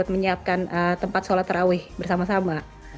menyiapkan tempat sholat terawih bersama sama